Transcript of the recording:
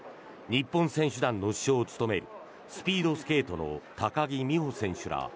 日本選手団の主将を務めるスピードスケートの高木美帆選手ら